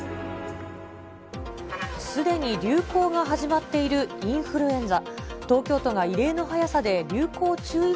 すでに流行が始まっているインフルエンザ。